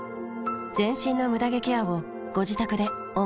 全身のムダ毛ケアをご自宅で思う存分。